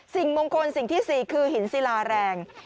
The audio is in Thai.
สิ่งมงคลสิ่งที่๔คือหินศิลาแรง